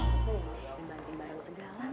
ngebanting bareng segala